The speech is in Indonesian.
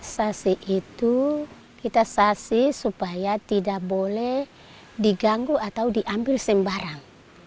sasi itu kita sasi supaya tidak boleh diganggu atau diambil sembarang